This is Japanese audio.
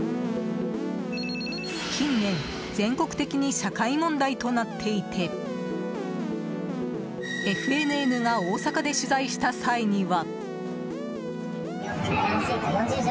近年、全国的に社会問題となっていてＦＮＮが大阪で取材した際には。